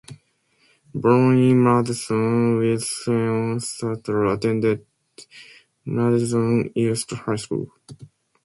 Born in Madison, Wisconsin, Suter attended Madison East High School.